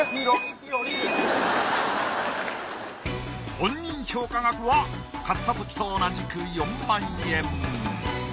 本人評価額は買ったときと同じく４万円。